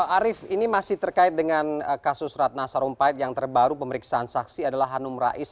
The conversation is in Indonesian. arief ini masih terkait dengan kasus ratna sarumpait yang terbaru pemeriksaan saksi adalah hanum rais